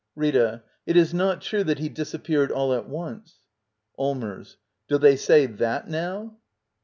Rita. It is not true that he disappeared all at once. Allmers. Do they say that now?